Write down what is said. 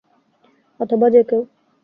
অথবা যে কেউ?